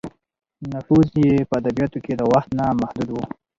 نفوذ یې په ادبیاتو کې د وخت نه محدود و.